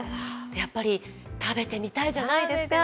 やっぱり食べてみたいじゃないですか。